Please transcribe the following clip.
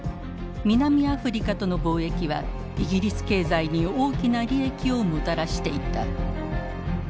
南アフリカとの貿易はイギリス経済に大きな利益をもたらしていた。